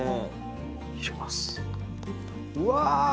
うわ！